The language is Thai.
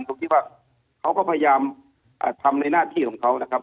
ผมคิดว่าเขาก็พยายามทำในหน้าที่ของเขานะครับ